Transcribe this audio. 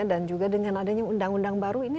juga dengan adanya undang undang baru ini